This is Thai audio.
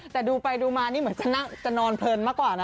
แต่ดูไปดูมานี่เหมือนจะนอนเพลินมากกว่านะ